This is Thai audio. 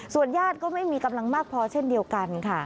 ญาติก็ไม่มีกำลังมากพอเช่นเดียวกันค่ะ